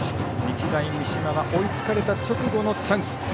日大三島は追いつかれた直後のチャンス。